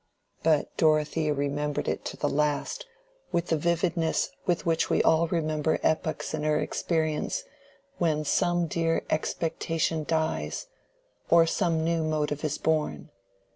But Dorothea remembered it to the last with the vividness with which we all remember epochs in our experience when some dear expectation dies, or some new motive is born.